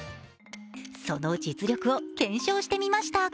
その実力を検証してみました。